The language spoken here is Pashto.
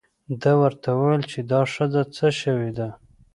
ده ورته وویل چې دا ښځه څه شوې ده.